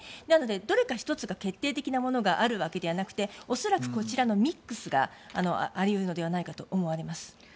なので、どれか１つ決定的なものがあるわけではなくて恐らくこちらのミックスがあり得るのではないかと思われます。